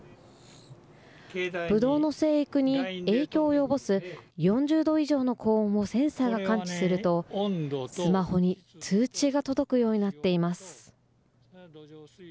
ブドウの生育に影響を及ぼす４０度以上の高温をセンサーが感知すると、スマホに通知が届くようになっています。